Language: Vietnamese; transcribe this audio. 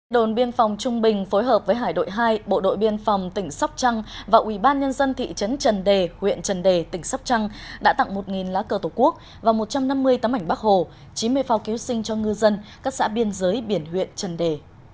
đồn biên phòng trung bình phối hợp với hải đội hai bộ đội biên phòng tỉnh sóc trăng và ubnd thị trấn trần đề huyện trần đề tỉnh sóc trăng đã tặng một lá cờ tổ quốc và một trăm năm mươi tấm ảnh bắc hồ chín mươi phao cứu sinh cho ngư dân các xã biên giới biển huyện trần đề